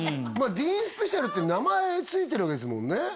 まあ「ディーンスペシャル」って名前ついてるわけですもんね